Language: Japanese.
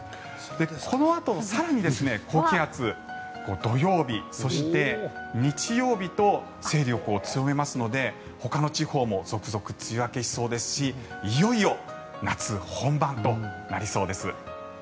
このあと、更に高気圧が土曜日、そして日曜日と勢力を強めますのでほかの地方も続々梅雨明けしそうですしいよいよ夏本番となりそうです。